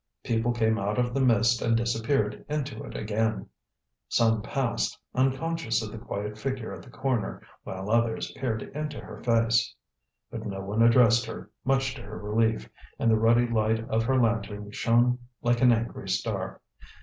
People came out of the mist and disappeared into it again: some passed, unconscious of the quiet figure at the corner, while others peered into her face. But no one addressed her, much to her relief, and the ruddy light of her lantern shone like an angry star.